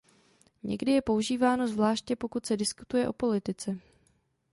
Někdy je používáno zvláště pokud se diskutuje o politice.